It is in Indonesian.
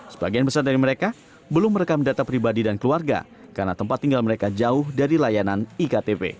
sebagian besar dari mereka belum merekam data pribadi dan keluarga karena tempat tinggal mereka jauh dari layanan iktp